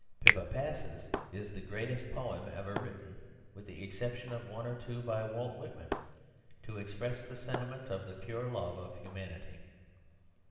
Pippa Passes is the greatest poem ever written, with the exception of one or two by Walt Whitman, to express the sentiment of the pure love of humanity.